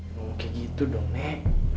enggak mau kayak gitu dong nek